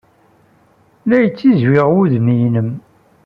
La yettizwiɣ wudem-nnem.